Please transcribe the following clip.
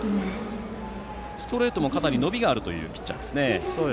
ストレートもかなり伸びがあるというピッチャーです。